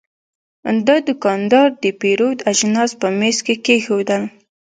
دا دوکاندار د پیرود اجناس په میز کې کېښودل.